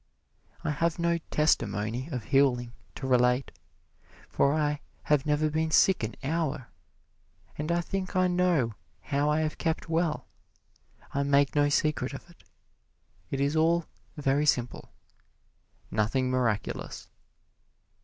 I have no "testimony" of healing to relate, for I have never been sick an hour. And I think I know how I have kept well. I make no secret of it. It is all very simple nothing miraculous.